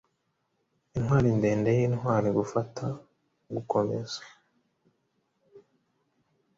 Intwari ndende yintwari gufata mugukomeza